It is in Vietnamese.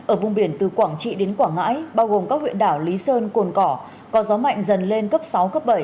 ở vùng biển từ quảng trị đến quảng ngãi bao gồm các huyện đảo lý sơn cồn cỏ có gió mạnh dần lên cấp sáu cấp bảy